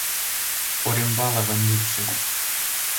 Корембаловын йӱкшӧ.